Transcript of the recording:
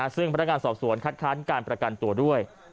ซึ่งพนักงานสอบสวนคัดค้านการประกันตัวด้วย